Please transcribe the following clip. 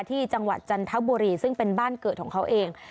จังหวัดจันทบุรีซึ่งเป็นบ้านเกิดของเขาเอง